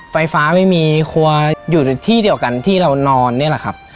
ไฟฟ้าไม่มีครัวอยู่ที่เดียวกันที่เรานอนนี่แหละครับ